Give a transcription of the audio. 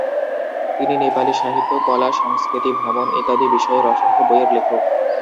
তিনি নেপালি সাহিত্য, কলা, সংস্কৃতি, ভ্রমণ ইত্যাদি বিষয়ের অসংখ্য বইয়ের লেখক।